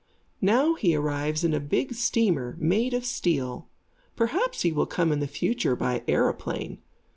Now he arrives in a big steamer, made of steel. Perhaps he will come in the future by aeroplane.